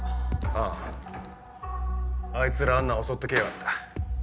あああいつらアンナを襲って来やがった。